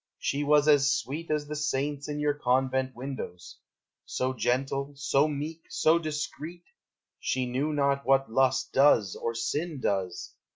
she was as sweet As the saints in your convent windows, So gentle, so meek, so discreet, She knew not what lust does or sin does.